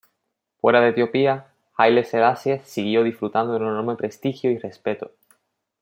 Fuera de Etiopía, Haile Selassie siguió disfrutando de un enorme prestigio y respeto.